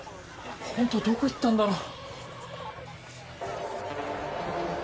ホントどこ行ったんだろう。